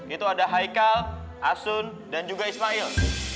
itu ada haikal asun dan juga ismail